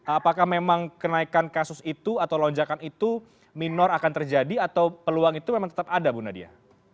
apakah memang kenaikan kasus itu atau lonjakan itu minor akan terjadi atau peluang itu memang tetap ada bu nadia